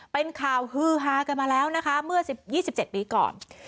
เป็นข่าวฮือฮากันมาแล้วนะคะเมื่อ๒๗ปีก่อน